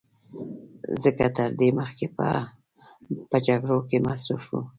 ځکه تر دې مخکې به په جګړو کې مصروف و